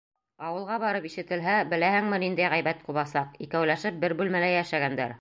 Ауылға барып ишетелһә, беләһеңме ниндәй ғәйбәт ҡубасаҡ: «Икәүләшеп бер бүлмәлә йәшәгәндәр!»